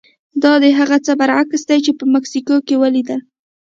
دا د هغه څه برعکس دي چې په مکسیکو کې ولیدل.